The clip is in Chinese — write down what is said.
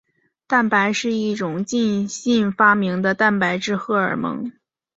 瘦蛋白是一种新近发现的蛋白质荷尔蒙。